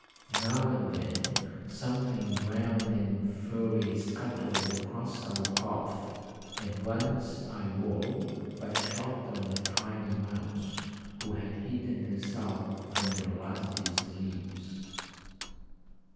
Now and then something brown and furry scuttled across our path, and once I all but trod on a tiny mouse, who had hidden herself under last year's leaves.